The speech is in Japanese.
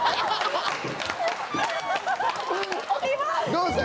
どうした？